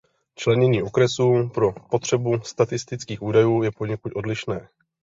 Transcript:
Členění okresu pro potřebu statistických údajů je poněkud odlišné.